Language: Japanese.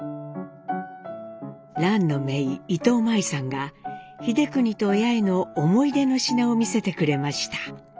蘭のめい伊藤舞さんが英邦と八重の思い出の品を見せてくれました。